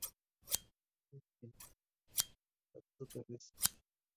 Esta Orquídea es de hábito terrestre.